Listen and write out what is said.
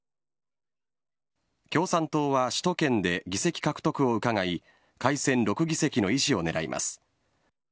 共産党は首都圏で議席獲得を伺い改選６議席の維持を狙います。